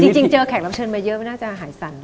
จริงเจอแขกรับเชิญมาเยอะไม่น่าจะหายสั่น